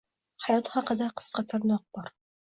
Hayot haqida qisqa tirnoq bor